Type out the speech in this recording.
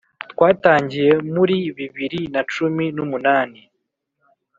Twatangiye muri bibiri na cumi n’umunani,